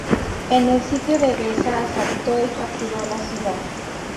En el Sitio de Edesa asaltó y capturó la ciudad.